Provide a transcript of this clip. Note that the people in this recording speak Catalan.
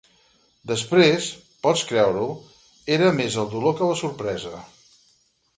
Després, pots creure-ho, era més el dolor que la sorpresa.